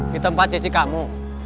di tempat cici kamu